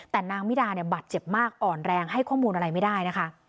แต่นางมิดาเนี่ยบาดเจ็บมากอ่อนแรงให้ข้อมูลอะไรไม่ได้นะคะ